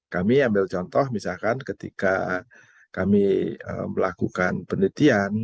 kami ambil contoh misalkan ketika kami melakukan penelitian